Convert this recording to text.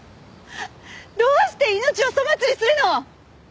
どうして命を粗末にするの！？